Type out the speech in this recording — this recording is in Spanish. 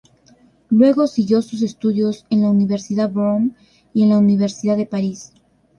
Luego siguió sus estudios en la Universidad Brown y en la Universidad de París.